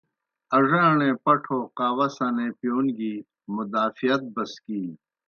اڙاݨے پٹھو قہوہ سنے پِیون گیْ مدافعت بسکینیْ۔